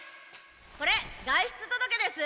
これ外出届です！